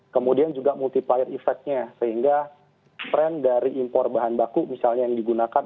kemudian juga multiplier effect nya sehingga tren dari impor bahan baku misalnya yang digunakan